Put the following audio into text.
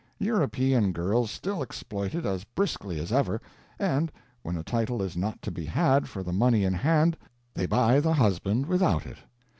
European girls still exploit it as briskly as ever; and, when a title is not to be had for the money in hand, they buy the husband without it.